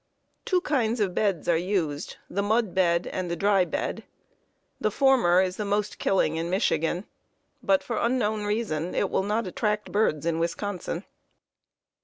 Two kinds of beds are used, the "mud" bed and the "dry" bed. The former is the most killing in Michigan, but, for unknown reason, it will not attract birds in Wisconsin.